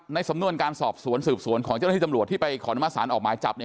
สำนวนการสอบสวนสืบสวนของเจ้าหน้าที่ตำรวจที่ไปขออนุมัติศาลออกหมายจับเนี่ย